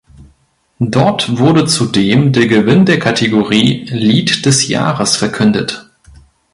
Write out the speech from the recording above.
Dort wurde zudem der Gewinn der Kategorie „Lied des Jahres“ verkündet.